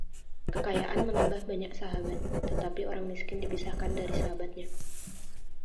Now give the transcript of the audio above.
Kekayaan menambah banyak sahabat, tetapi orang miskin dipisahkan dari sahabatnya.